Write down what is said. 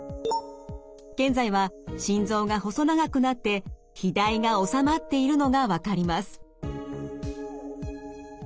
現在は心臓が細長くなって肥大がおさまっているのが分かります。